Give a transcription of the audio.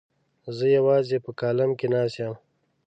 زه یوازې په کالم کې نه یم.